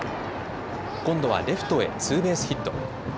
今度はレフトへツーベースヒット。